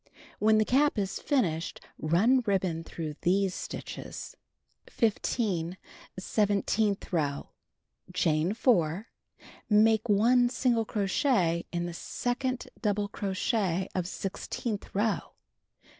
(When the cap is finished run ribbon through these stitches.) 15. Seventeenth row: Chain 4. Make 1 single crochet in the second double crochet of sixteenth row.